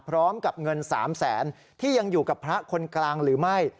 พร้อมกับเงิน๓แสนที่ยังอยู่กับพระคนกลางหรือไม่